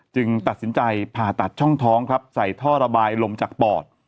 ตัดสินใจผ่าตัดช่องท้องครับใส่ท่อระบายลมจากปอด